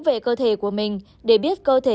về cơ thể của mình để biết cơ thể